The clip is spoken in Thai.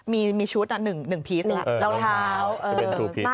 มีชุด๑พีส